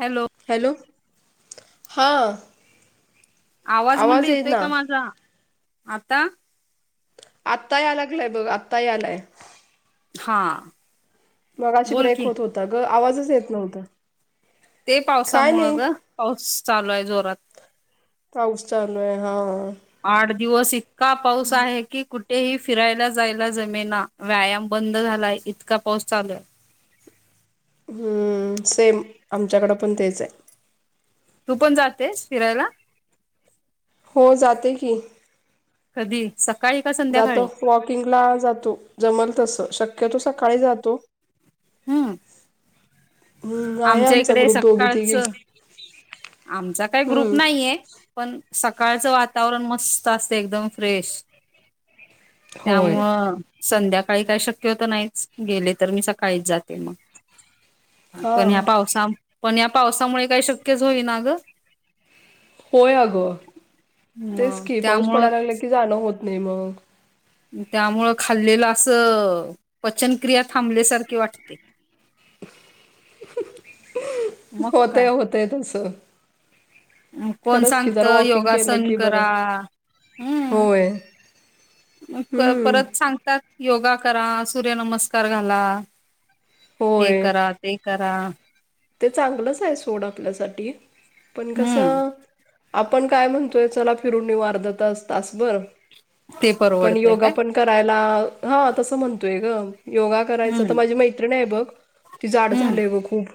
Hello. Hello [inaudible] हां. आवाज म्हणलं येतोय ना का माझा? [inaudible] आता? आत्ता यायला लागलाय बघ. आत्ताही आलायं. हा. मगाशी बोल ब्रेक की होत होता गं. आवाजच येत नव्हता. ते काय पावसामुळ नाही गं. पाऊस चालू आहे जोरात. पाऊस चालू आहे हा. आठ दिवस इतका पाऊस आहे की, कु ठेही फिरायला जायला जमेना. व्यायाम बंद झालाय. इतका पाऊस चालू आहे. हम्म, सेम आमच्याकडं पण तेच आहे. तू पण जातेस फिरायला? हो जाते की. कधी? सकाळी का जातो संध्याकाळी? वॉकिंगला जातो जमल तस शक्यतो सकाळी जातो. हम्म हम्म आहे आमच्या आमचा इकडे ग्रुप दोघी सकाळच तिघींचा आमचा काही ग्रुप हम्म नाहीये पण सकाळचं वातावरण मस्त असते एकदम फ्रेश. होय त्यामुळ संध्याकाळी काय शक्य होतं नाहीच गेले तर मी सकाळीच जाते मग. हा पण ह्या पावसा पण या पावसामुळे काही शक्यच होई ना ग. होय अगं, मग तेचकी पाऊस त्यामुळं पडायला लागला की जाणं होत नाही मग. त्यामुळं खाल्लेलं असं पचनक्रिया थांबल्यासारखी वाटते. मग होतय काय होतय तस. कोण सांगत वॉकिंग केलं योगासन की बरं. करा हम्. होय. म क हम्म. परत सांग तात योगा करा, सूर्यनमस्कार घाला, हे होय. करा ते करा. ते चांगलंच आहे सोड आपल्यासाठी पण हम्म कसं आपण काय म्हणतोय चला फिरून येऊ अर्धा तास तास भर. ते पण. पण योगा पण करायला हा तसं म्हणतोय ग. योगा करायच तर हम्म माझी मैत्रिण आहे बघ ती जाड हम्म झालीय ग खूप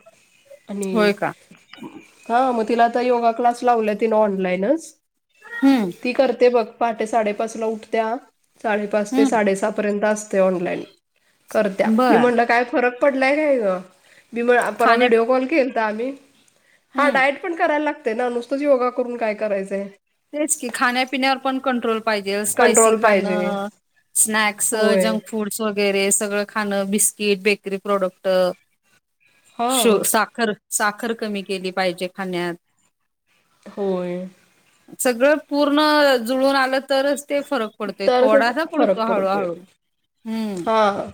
होय आणि का हा मग तिला आता योगा क्लास लावला तिने ऑनलाईनच. हम्म. ती करते बघ पहाटे साडेपाच ला उठतेया साडेपाच ते हम्म साडेसहा पर्यंत असते ऑनलाईन. करत्या मी बर म्हणलं काय फरक पडलाय काय ग बीमळ परवा खाण्या व्हिडिओ कॉल केल ता मी, हा हम्म डायट पण करायला लागतय ना नुसतंच योगा करून काय करायचंय? तेच की खाण्यापिण्यावर पण कंट्रोल पाहिजे अ स्पायसी कंट्रोल पाहिजे खाणं स्नॅक्स होय जंक फूड्स वगैरे सगळं खाणं बिस्किट बेकरी प्रॉडक्ट हा शो साखर साखर कमी केली पाहिजे खाण्यात. होय. सगळं पूर्ण जुळून आलं तरच ते फरक पडतोय तरचच थोडासा पडतो फरक पडतोय हळूहळू हम्म हा.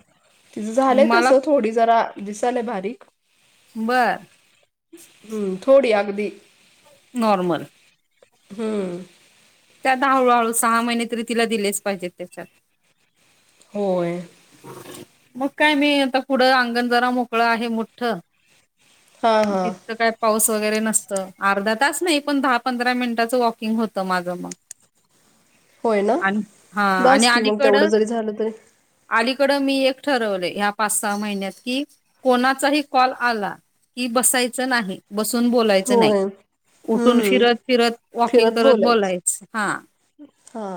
तिचं झालंय मला तसं थोडी जरा दिसालय बारीक. बरं. हम्म थोडी आगदी. नॉर्मल हम्म. त्यात हळूहळू सहा महिने तरी तिला दिलेच पाहिजेत त्याच्यात. होय. मग काय मी आता पुढं अंगण जरा मोकळ आहे मोठ.. हा हा तिथतं काय? पाऊस वगैरे नसतं अर्धा तास नाही पण दहा पंधरा मिनटाचं वॉकिंग होतं माझं मग. होय ना, आणि हा आणि बास की मग तेवढं अलीकडं जरी झालं तरी अलीकडं मी एक ठरवले ह्या पाच सहा महिन्यात की कोणाचाही कॉल आला कि बसायचं नाही बसून बोलायचं नाही. होय उठून हम्म फिरत फिरत वॉकिंग करत बोलायच हा. हा.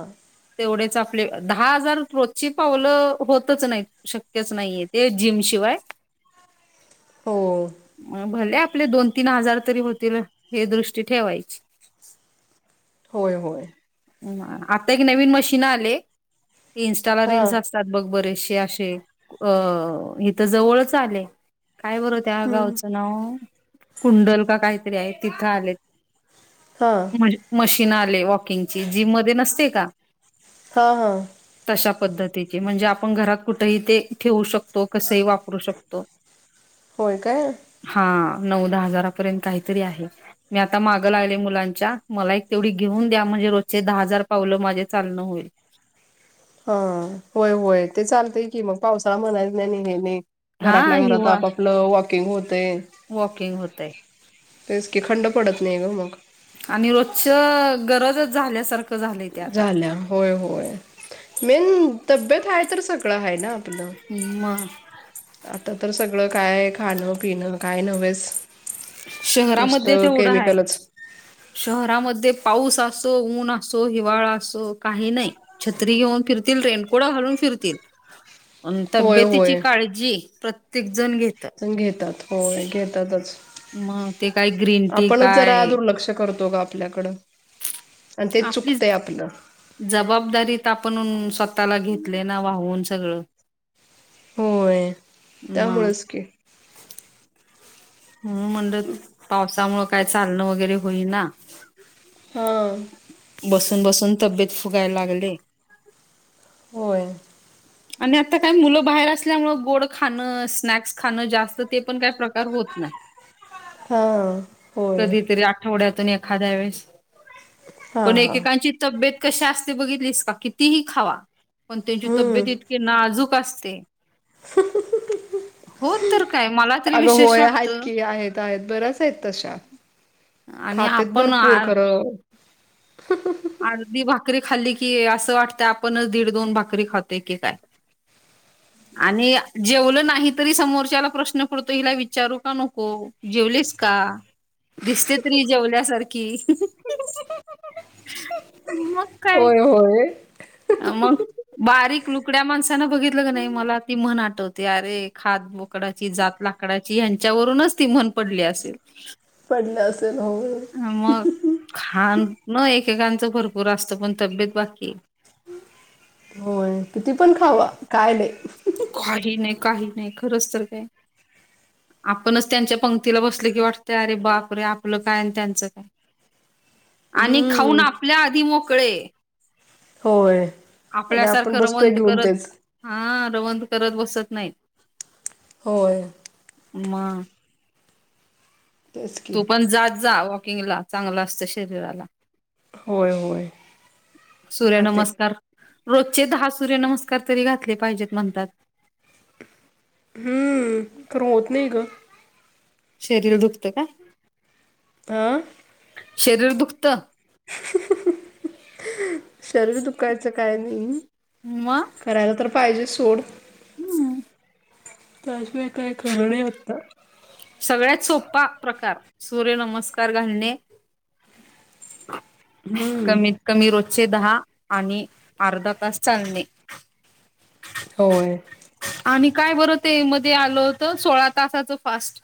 तेवढेच आपले दहा हजार रोजची पावलं होतच नाही शक्यच नाहीये ते जिम शिवाय. हो पण भले आपले दोन तीन हजार तरी होतील हे दृष्टी ठेवायची. होय होय. ह आता एक नवीन मशीन आले इंस्टाला हा रील्स असतात बघ बरेचसेे असे अ हेथ जवळच आले काय बर त्या हम्म गावचं नाव कुंडल का काहीतरी आहे तिथं आले. हा मशीन आलेय वॉकिंगची जिम मध्ये नसते का? हा हा. तशा पद्धतीची म्हणजे आपण घरात कुठेही ते ठेवू शकतो कसही वापर करू शकतो होय काय हा नऊ दहा हजारापर्यंत काहीतरी आहे. मी आता मागं लागले मुलांच्या मला एक तेवढी घेऊन द्या म्हणजे रोजचे दहा हजार पावलं माझे चालणं होईल. हा होय होय ते चालतय की मग पावसाळा म्हणायचं नाही हे नाही. हा घरातल्या घरात हिवा आपापलं वॉकिंग होतय. वॉकिंग होतय. तेच की खंड पडत नाही ग मग. आणि रोजच गरजच झाल्यासारखं झालंय ते आता. झाल्या होय होय मेन तब्येत आहे तर सगळं आहे ना आपलं. मग आता तर सगळं काय आहे खाणं, पिणं काय नव्हेच. शहरामध्ये नुसतं तेवढं आहे. केमिकलच शहरामध्ये पाऊस असो, ऊन असो, हिवाळा असो काही नाही छत्री घेऊन फिरतील, रेणकोडा घालून फिरतील. अन् होय तब्येतीची होय काळजी प्रत्येक जण घेत. घेतात होय घेतातच. मग ते काय ग्रीन टी आपणच जरा काय दुर्लक्ष करतो ग आपल्याकडं. आणि ते आपलीच चुकतंय आपलं जबाबदारीत आपणहून स्वतःला घेतले ना वाहून सगळं. होय मग त्यामुळेच की. हो म्हणलं पावसामुळं काय चालणं वगैरे होईना हां. बसून बसून तब्येत फुगायला लागले. होय. आणि आता काय मुलं बाहेर असल्यामुळं गोड खाणं, स्नॅक्स खाणं, जास्त ते पण काही प्रकार होत नाही. [inaudible] होय कधीतरी आठवड्यातून एखाद्या वेळेस. हां पण हां एकेकांची तब्येत कशी असते बघितलीस का कितीही खावा त्यांची हम्म तब्येत इतके नाजूक असते. ह ह ह हो ह. तर काय मला तरी अगं विशेष होय आहेत वाटतं की आहेत आहेत बऱ्याच आहेत तशा. आणि खातेत आपण आ भरपूर खरं! अर्धी भाकरी खाल्ली की असं वाटतं आपणच दीड दोन भाकरी खातो की काय! [inaudible] आणि जेवलं नाही तरी समोरच्याला प्रश्न पडतो, हिला विचारू का नको? जेवलीस का? दिसते तरी ही जेवल्यासारखी. होय होय आ मग बारीक लुकड्या माणसाना बघितल की नाही मला ती म्हण आठवते. अरे खात बोक डाची, जात लाकडाची. ह्यांच्यावरूनच ती म्हन पडली असेल. पडल असेल होय. हा मग खान एकेकांच भरपूर असत, पण तब्येत बाकी होय किती पण खावा काय नाही. खाली नाही, काही नाही खरंच तर ते आपणच त्यांच्या पंगतीला बसल की वाटतय, अरे बाप रे आपल काय आणि त्यांच काय. [inaudible] आणि खाऊन आपल्या आधी मोकळे. होय, आणि आपण आपल्यासारखं बसतोय रवंथ घेऊन करत तेच. हा रवंत करत बसत नाहीत. होय मग तेच की तू पण जात जा वॉकिंगला. चांगल असत शरीराला. होय होय सूर्य जाते नमस्कार रोजचे दहा सूर्यनमस्कार तरी घातले पाहिजेत म्हणतात. हम्म खर होत नाही ग. शरीर दुखत का? अ शरीर दुखत. शरीर दुखायच काय नाही, मग करायला तर पाहिजे सोड. हम्म त्याशिवाय काय खर नाही आता. सगळ्यात सोपा प्रकार सूर्य नमस्कार घालणे. [inaudible] हम्म कमीत कमी रोजचे दहा, आणि अर्धा तास चालणे. होय आणि काय बरं ते मध्ये आल होत, सोळा तासाच फास्ट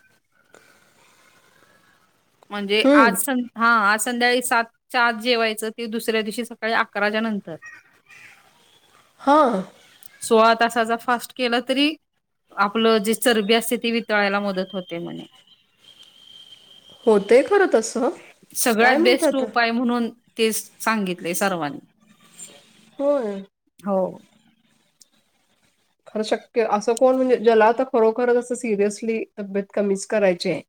म्हणजे आज हम्म सं हा आज संध्याकाळी सातच्या आत जेवायच, ते दुसऱ्या दिवशी सकाळी अकराच्या नंतर. हो सोळा तासाचा फास्ट केला तरी आपल जी चरबी असते ती वितळायला मदत होते म्हणे. होतय खर तस. सगळ्यात काय माहित बेस्ट आता. उपाय म्हणून तेच सांगितलय सर्वांनी. होय हो खर शक्य, अस कोण म्हणजे ज्याला आता खरोखरच अस सिरियसली तब्येत कमीच करायची आहे.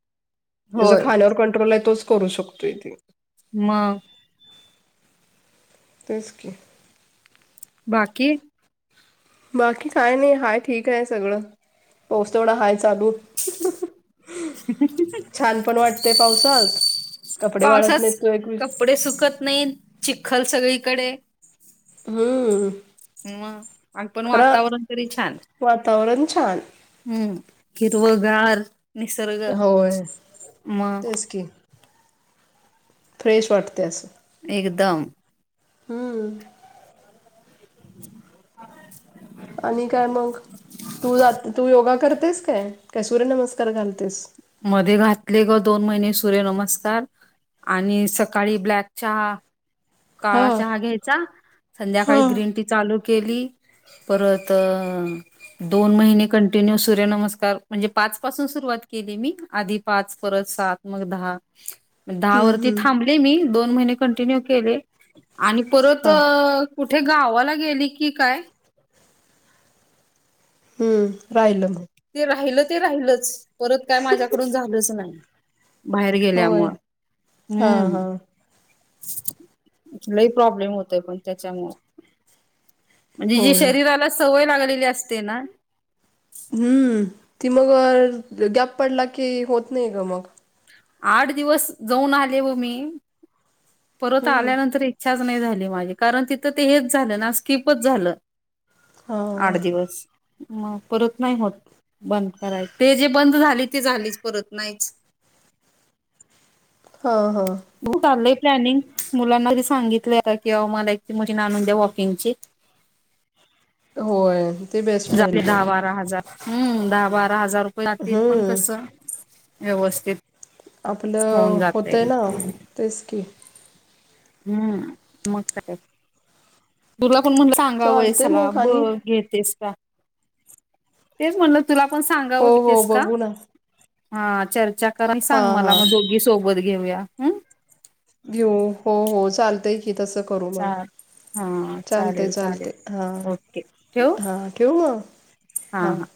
ज्याच होय. खाण्यावर कंट्रोल आहे तोच करू शकतोय ते. मग तेच की बाकी बाकी काय नाही हाय ठीक आहे सगळ. पाऊस तेवढा हाय चालू. छान पण वाटतेय पावसात कपडे वाळत नाही पावसात तो एक वि [unintelligible] कपडे सुकत नाही चिखल सगळीकडे हम्म ह मग आणि पण खरं वातावरण तरी छान वातावरण छान. हम्म हिरव गार निसर्ग होय मग तेच की फ्रेश वाटत असं एकदम हम्म [inaudible] आणि काय मग तू जात तू योगा करतेस काय, काय सूर्यनमस्कार घालतेस? मध्ये घातले ग दोन महिने सूर्य नमस्कार. आणि सकाळी ब्लॅक चहा काळा हा. चहा घ्यायचा, हा संध्याकाळी ग्रीन टी चालू केली. परत अ दोन महिने कंटिन्यू सूर्यनमस्कार म्हणजे पाच पासून सुरुवात केली मी आधी पाच परत सात मग दहा, दहा हम्म वरती हम्म थांबले मी दोन महिने कंटिन्यू केले. आणि परत हा कुठे गावाला गेली की काय राहिलं ग ते राहिलं ते राहिलच परत काय माझ्याकडून झालंच नाही. बाहेर होय गेल्यामुळं हा हम्म हा [unintelligible] लही प्रॉब्लेम होतय ग त्याच्यामुळे म्हणजे जी होय शरीराला सवय लागलेली असते ना हम्म ती मग गॅप पडला की होत नाही ग मग आठ दिवस जाऊन आले व मी परत हम्म आल्यानंतर एक इच्छाच नाही झाली माझी कारण तिथं ते हेच झालं ना स्कीिपच झालं हा आठ दिवस मग परत नाही होत बंद करायच ते जे बंद झाली ते झालीच परत नाहीच ह ह हो कुठ चाललंय प्लॅनिंग मुलांना आधी सांगितलंय की अहो मला एक माझी मशीन आणून द्या वॉकिंग ची. होय ते बेस्ट राहील जाते दहा मग बारा हजार हम्म दहा बारा हजार रुपये लागतील पण हम्म कस व्यवस्थित आपलं होऊन जाते होत आहे ना तेच की हम्म मग काय तुला पण म्हणलं सांगा चालते वयसला मग आणि बघ घेतेस का तेच म्हण तुला पण सांग हो हो सांगा बघू ना चर् हा म हा [unintelligible] बत घेऊया ह [unintelligible] घिऊ हो हो चालतंय की तसं करू मग चाल हा चालत चालेल चालत चालेल हा ओके ठेवू हा ठेवू मग हा हां हा